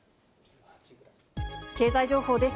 経済情報です。